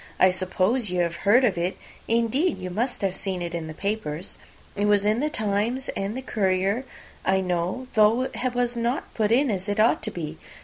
I suppose you have heard of it; indeed, you must have seen it in the papers. It was in the 'Times' and the 'Courier,' I know; though it was not put in as it ought to be.